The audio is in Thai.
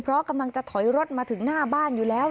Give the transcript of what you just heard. เพราะกำลังจะถอยรถมาถึงหน้าบ้านอยู่แล้ว